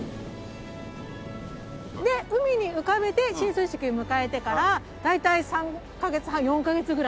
で海に浮かべて進水式迎えてから大体３カ月半４カ月ぐらい。